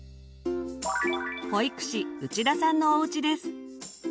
保育士内田さんのおうちです。